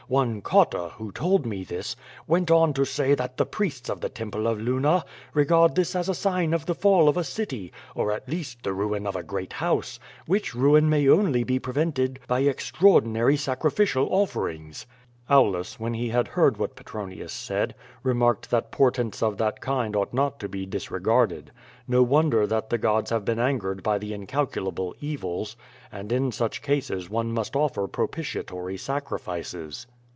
One Cotta, who told me this, went on to say that the priests of the temple of Luna regard this as a sign of the fall of a city, or at least the ruin of a great house, which ruin may only be prevented by extraordinary sacrificial offerings.'* Aulus, when he had heard what Petronius said, remarked that portents of that kind ought not to be disregarded. No wonder that the gods have been angered by the incalculable evils; and in such cases one must offer propitiatory sacrifices.